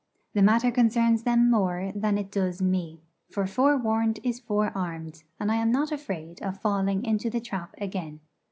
The matter concerns them more than it does me; for forewarned is forearmed, and I am not afraid of falling into the trap again.